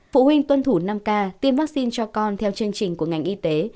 phụ huynh tuân thủ năm k tiêm vaccine cho con theo chương trình của ngành y tế